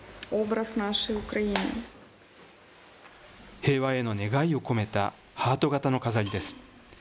平和への願いを込めたハート形の飾りです。